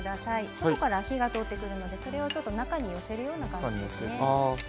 外から火が通ってくるのでそれを中に寄せるような感じですね。